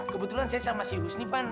kebetulan saya sama si husni pan